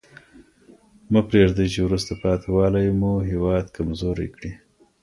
مه پرېږدئ چي وروسته پاته والي مو هېواد کمزوری کړي.